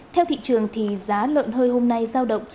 theo thị trường thì giá lợn hơi hôm nay giao động